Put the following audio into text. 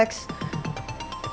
aku mau ke rumah